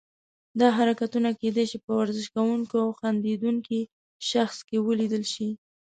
دا حرکتونه کیدای شي په ورزش کوونکي او خندیدونکي شخص کې ولیدل شي.